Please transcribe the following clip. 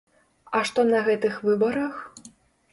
А што на гэтых выбарах?